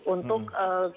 untuk kesejahteraan bersama